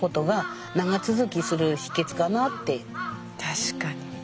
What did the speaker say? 確かに！